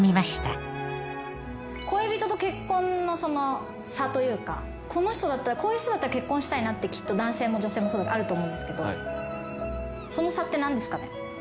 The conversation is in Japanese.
恋人と結婚の差というかこういう人だったら結婚したいなってきっと男性も女性もあると思うんですけどその差って何ですかね？